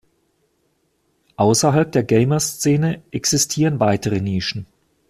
Außerhalb der Gamer-Szene existieren weitere Nischen.